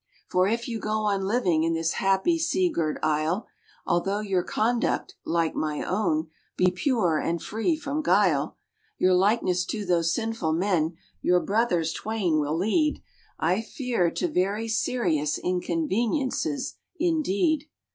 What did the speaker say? "For if you go on living in this happy sea girt isle, Although your conduct (like my own) be pure and free from guile, Your likeness to those sinful men, your brothers twain, will lead, I fear, to very serious inconveniences indeed."